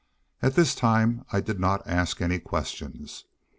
And this time I did not ask any questions.